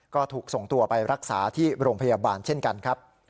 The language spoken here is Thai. ก็ถูกส่งตัวไปรักษาที่โรงพยาบาลเช่นกันครับ